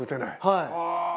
はい。